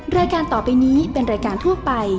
รายการต่อไปนี้เป็นรายการทั่วไป